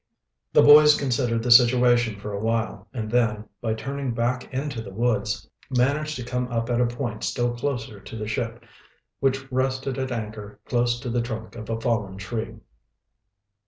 The boys considered the situation for a while, and then, by turning back into the woods, managed to come up at a point still closer to the ship, which rested at anchor close to the trunk of a fallen tree.